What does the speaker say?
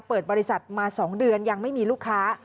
เปิดบริษัทมา๒เดือนยังไม่มีลูกค้า